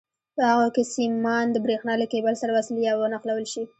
په هغو کې سیمان د برېښنا له کېبل سره وصل یا ونښلول شي.